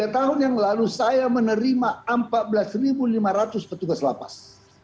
tiga tahun yang lalu saya menerima empat belas lima ratus petugas lapas